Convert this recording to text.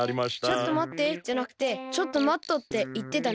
「ちょっと待って」じゃなくて「ちょっと待っと」っていってたね。